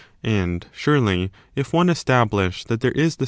And, surely, if one establish that there is the 9.